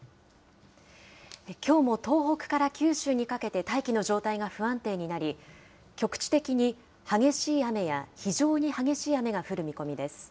きょうも東北から九州にかけて大気の状態が不安定になり、局地的に激しい雨や非常に激しい雨が降る見込みです。